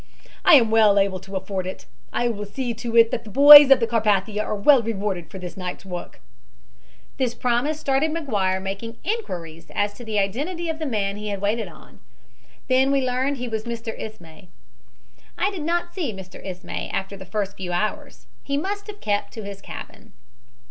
I am well able to afford it. I will see to it that the boys of the Carpathia are well rewarded for this night's work.' This promise started McGuire making inquiries as to the identity of the man he had waited on. Then we learned that he was Mr. Ismay. I did not see Mr. Ismay after the first few hours. He must have kept to his cabin."